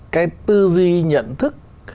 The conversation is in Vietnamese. cái tư duy nhận thức